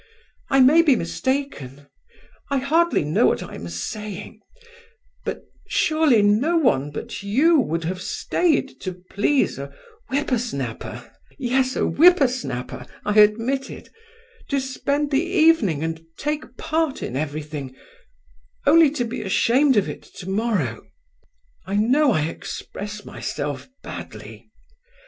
I may be mistaken; I hardly know what I am saying; but surely no one but you would have stayed to please a whippersnapper (yes, a whippersnapper; I admit it) to spend the evening and take part in everything—only to be ashamed of it tomorrow. (I know I express myself badly.)